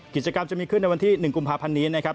กิจกรรมจะมีขึ้นในวันที่๑กุมภาพันธ์นี้นะครับ